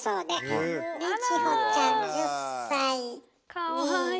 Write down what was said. かわいい！